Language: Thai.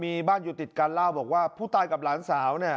มีบ้านอยู่ติดกันเล่าบอกว่าผู้ตายกับหลานสาวเนี่ย